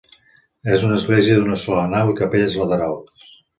És una església d'una sola nau i capelles laterals.